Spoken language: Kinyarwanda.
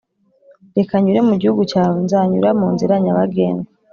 reka nyure mu gihugu cyawe nzanyura mu nzira nyabagendwa